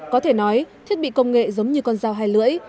có thể nói thiết bị công nghệ giống như con dao hai lưỡi